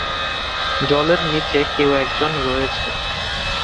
জলের নীচে কেউ একজন রয়েছে।